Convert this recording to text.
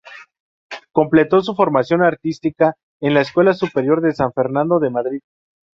Completó su formación artística en la Escuela Superior de San Fernando de Madrid.